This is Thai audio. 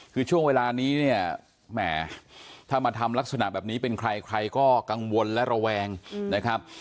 คือช่วงเวลานี้เนี่ยแหมถ้ามาทำลักษณะแบบนี้เป็นใครใครก็กังวลและระแวงนะครับ